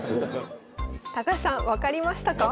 高橋さん分かりましたか？